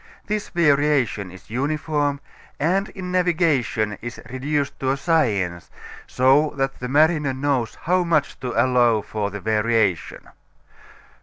This variation is uniform and in navigation is reduced to a science, so that the mariner knows how much to allow for the variation.